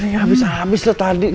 ini abis abis tuh tadi